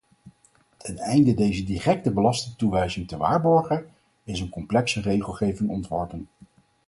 Teneinde deze directe belastingtoewijzing te waarborgen is een complexe regelgeving ontworpen.